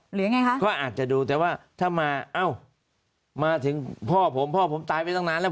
หรือยังไงคะก็อาจจะดูแต่ว่าถ้ามาเอ้ามาถึงพ่อผมพ่อผมตายไปตั้งนานแล้ว